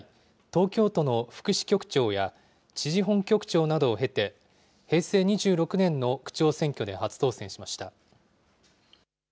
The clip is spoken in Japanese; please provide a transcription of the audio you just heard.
東京都の福祉局長や、知事本局長などを経て、平成２６年の区長選挙で初当選しました。